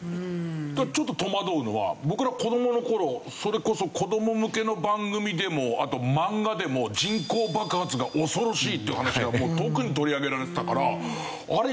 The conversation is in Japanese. ちょっと戸惑うのは僕ら子どもの頃それこそ子ども向けの番組でもあと漫画でも人口爆発が恐ろしいっていう話が特に取り上げられてたからあれ？